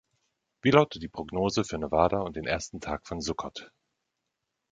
wie lautet die Prognose für Nevada und den Ersten Tag von Sukkot